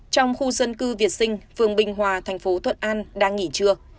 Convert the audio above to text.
trong khu dân cư việt sinh phường bình hòa thành phố thuận an đang nghỉ trưa